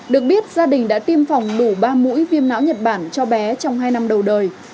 được biết gia đình đã tiêm phòng đủ ba mũi viêm não nhật bản cho bé trong hai năm đầu đời